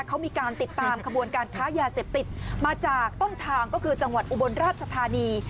เขามีการติดตามขบวนการค้ายาเสพติดมาจากต้นทางก็คือจังหวัดอุบลราชธานี